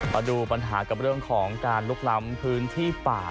มาดูปัญหากับเรื่องของการลุกล้ำพื้นที่ป่า